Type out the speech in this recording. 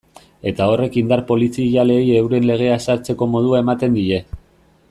Eta horrek indar polizialei euren legea ezartzeko modua ematen die.